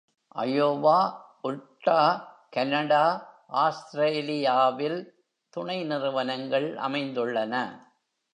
Iowa, Utah, Canada, ஆஸ்திரேலியாவில் துணை நிறுவனங்கள் அமைந்துள்ளன.